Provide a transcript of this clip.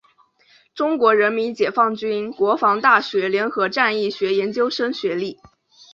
中国人民解放军国防大学联合战役学研究生学历。